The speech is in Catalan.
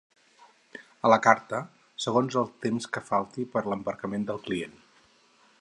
A la carta, segons el temps que falti per a l'embarcament del client.